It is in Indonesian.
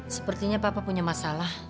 sepertinya papa punya masalah